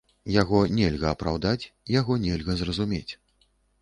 Яго нельга апраўдаць, яго нельга зразумець.